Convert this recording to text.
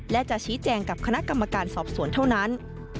และจะชี้แจงกับคณะกรรมการสอบสวนเท่านั้น